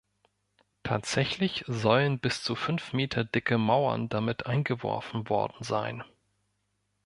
Tatsächlich sollen bis zu fünf Meter dicke Mauern damit eingeworfen worden sein.